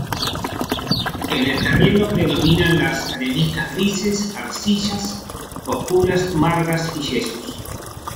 En el terreno predominan las areniscas grises, arcillas oscuras, margas y yesos.